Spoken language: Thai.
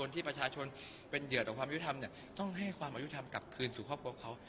ที่ประชาชนเป็นเหยื่อต่อความยุทธรรมต้องให้ความอายุธรรมกลับคืนสู่ครอบครัวเขา